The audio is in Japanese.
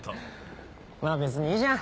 まぁ別にいいじゃん。